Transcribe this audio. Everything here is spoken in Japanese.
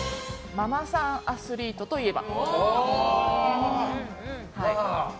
ママさんアスリートといえば？